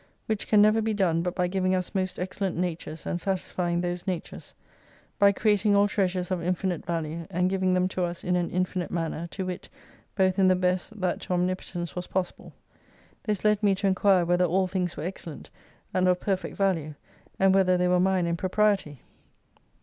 Which can never be done but by giving us most excellent natures and satisfying those natures : by creating all treasures of infinite value, and giving them to us in an infinite manner, to wit, both in the best that to omnipotence was possible. This led me to enquire whether all things were excellent, and of perfect value, and whether they were mine in propriety